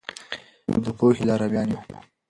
موږ د پوهې لارویان یو.